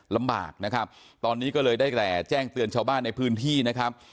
ลำบากนะครับตอนนี้ก็เลยได้แก่แจ้งเตือนชาวบ้านในพื้นที่นะครับ